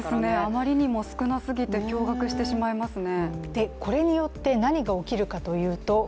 あまりにも少なすぎて、驚がくしてしまいますね。